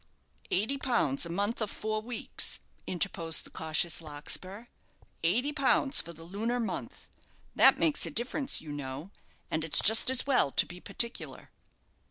"Eighty pounds a month of four weeks," interposed the cautious Larkspur; "eighty pounds for the lunar month. That makes a difference, you know, and it's just as well to be particular."